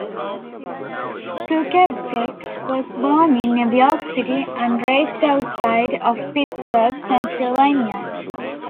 Klucevsek was born in New York City, and raised outside of Pittsburgh, Pennsylvania.